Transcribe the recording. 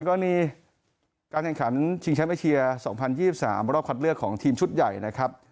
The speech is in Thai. กรณีการแข่งขันชิงแชมป์เอเชีย๒๐๒๓รอบคัดเลือกของทีมชุดใหญ่นะครับ